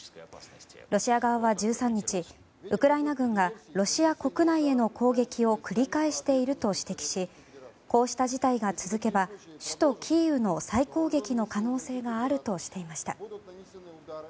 ロシア側は１３日ウクライナ軍がロシア国内への攻撃を繰り返していると指摘しこうした事態が続けば首都キーウの再攻撃の可能性があるとしていました。